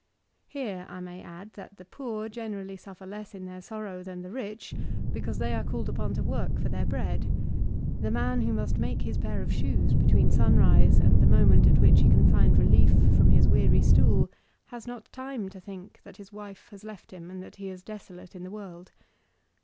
Here, I may add, that the poor generally suffer less in their sorrow than the rich because they are called upon to work for their bread. The man who must make his pair of shoes between sunrise and the moment at which he can find relief from his weary stool has not time to think that his wife has left him and that he is desolate in the world.